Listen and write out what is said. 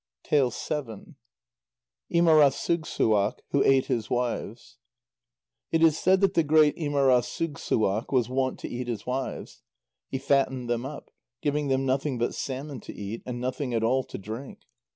ÍMARASUGSSUAQ, WHO ATE HIS WIVES It is said that the great Ímarasugssuaq was wont to eat his wives. He fattened them up, giving them nothing but salmon to eat, and nothing at all to drink.